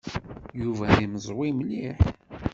Yuba d imeẓwi mliḥ.